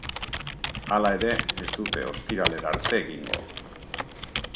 Hala ere, ez dute ostiralera arte egingo.